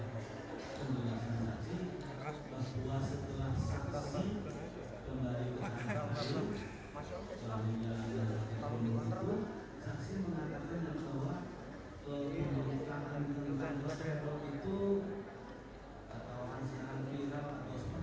yaitu oleh media saksama bahwa saya harus posting satu hari dua hari dan harus bertemu dengan jawaan kayak bulan untuk berfoto